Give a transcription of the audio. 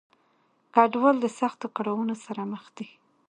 کډوال د سختو کړاونو سره مخ دي.